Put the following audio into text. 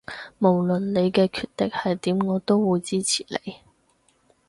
無論你嘅決定係點我都會支持你